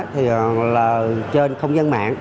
thì là trên không gian mạng